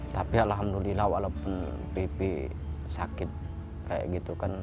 tapi alhamdulillah walaupun pipi sakit kayak gitu kan